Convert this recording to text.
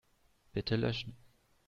Bitte löschen.